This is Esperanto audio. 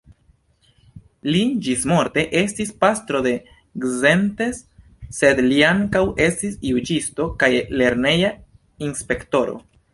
Li ĝismorte estis pastro de Szentes, sed li ankaŭ estis juĝisto, kaj lerneja inspektoro.